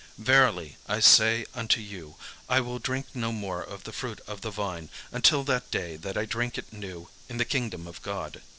Verily I say unto you, I will drink no more of the fruit of the vine, until that day that I drink it new in the kingdom of God."